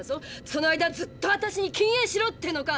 その間ずっと私に禁煙しろってのか！